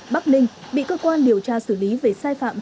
bắc ninh bị cơ quan điều tra xử lý về sai phạm